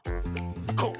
こう。